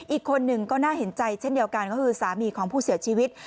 อีกคนหนึ่งก็น่าเห็นใจเช่นเดียวกันก็คือสามีของผู้เสียชีวิต